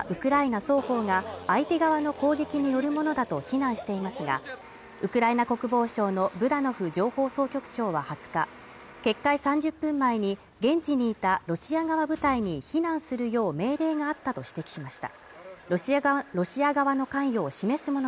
決壊の原因についてロシア、ウクライナ双方が相手側の攻撃によるものだと非難していますがウクライナ国防省のブダノフ情報総局長は２０日決壊３０分前に現地にいたロシア側部隊に避難するよう命令があったと指摘しました。